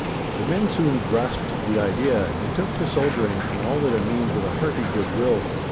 The men soon grasped the idea, and took to soldiering and all that it means with a hearty goodwill.